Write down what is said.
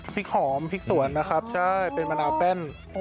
พริกหอมพริกสวนนะครับใช่เป็นมะนาวแป้น